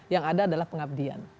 yang ada adalah pengabdian